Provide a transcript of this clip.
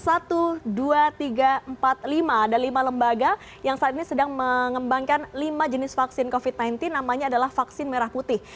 ada lima lembaga yang saat ini sedang mengembangkan lima jenis vaksin covid sembilan belas namanya adalah vaksin merah putih